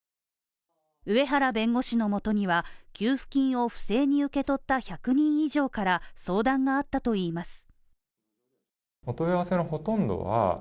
上原弁護士のもとには給付金を不正に受け取った１００人以上から相談があったといいます。